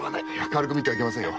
軽く見てはいけませんよ。